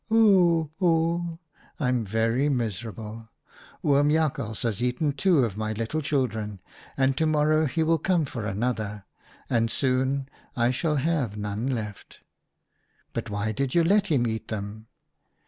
"' Oo oo! I'm very miserable. Oom Jakhals has eaten two of my little children, and to morrow he will come for another, and soon I shall have none left.' "' But why did you let him eat them